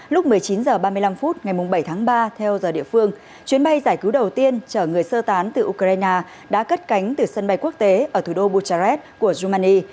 lúc một mươi chín h ba mươi năm phút ngày bảy tháng ba theo giờ địa phương chuyến bay giải cứu đầu tiên chở người sơ tán từ ukraine đã cất cánh từ sân bay quốc tế ở thủ đô bucharest của rumani